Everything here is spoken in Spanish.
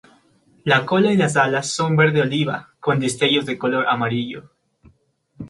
La cola y las alas son verde oliva con destellos de color amarillo.